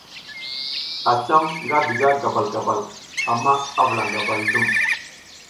A cam nga diga gabal gabal amma a vulaƞ gabal zlum.